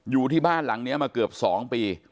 อยู่ที่บ้านหลังนี้มาเกือบ๒ปี